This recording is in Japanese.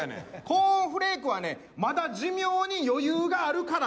コーンフレークはねまだ寿命に余裕があるから食べてられるのよあれ。